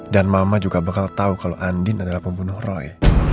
dan mama juga bakal tau kalo andin adalah pembunuh roy